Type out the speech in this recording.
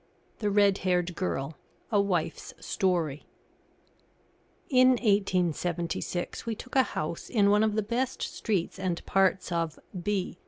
THE RED HAIRED GIRL A WIFE'S STORY In 1876 we took a house in one of the best streets and parts of B